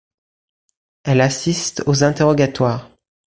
Elle assiste aux interrogatoires.